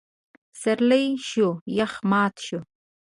پسرلی شو؛ يخ مات شو.